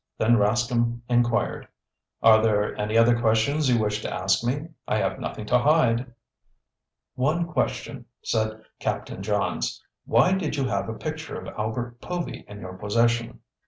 Then Rascomb inquired: "Are there any other questions you wish to ask me? I have nothing to hide." "One question," said Captain Johns. "Why did you have a picture of Albert Povy in your possession?"